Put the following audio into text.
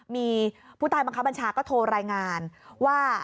มีผู้ใต้บังคับบัญชาก็โทรรายงานว่า